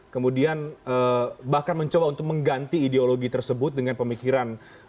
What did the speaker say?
kemudian bahkan mencoba untuk mengganti ideologi tersebut dengan pemikiran